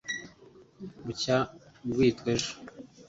bucya bwitwa ejo